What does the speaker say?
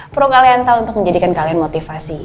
perlu kalian tahu untuk menjadikan kalian motivasi